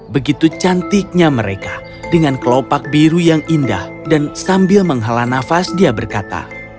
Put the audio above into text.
begitu cantiknya mereka dengan kelopak biru yang indah dan sambil menghala nafas dia berkata